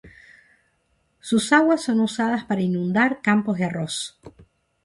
Sus aguas son usadas para inundar campos de arroz.